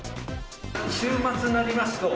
週末になりますと、